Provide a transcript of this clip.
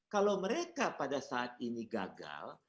kalau mereka pada saat ini gagal